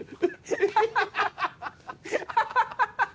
ハハハハハ！